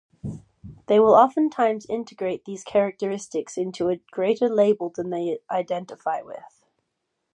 They will oftentimes integrate these characteristics into a greater label that they identify with.